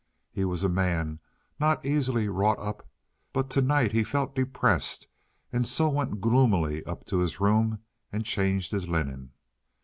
He was a man not easily wrought up, but to night he felt depressed, and so went gloomily up to his room and changed his linen.